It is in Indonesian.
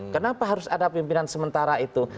kenapa harus ada pimpinan sementara itu